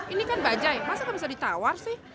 ini kan bajaj masa gak bisa ditawar sih